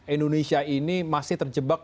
indonesia ini masih terjebak